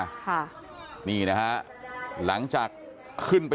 ยอมยนต์อาวุธแล้วก็สไลด์ตัวลงมานี่นี่